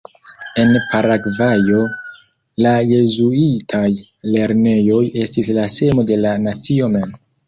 En Paragvajo, la jezuitaj lernejoj estis la semo de la nacio mem.